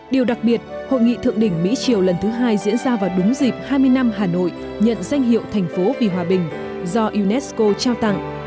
điều đặc biệt hội nghị thượng đỉnh mỹ triều lần thứ hai diễn ra vào đúng dịp hai mươi năm hà nội nhận danh hiệu thành phố vì hòa bình do unesco trao tặng